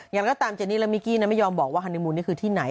อย่างไรก็ตามเจนี่และมิกกี้ไม่ยอมบอกว่าฮันนิมูลนี่คือที่ไหน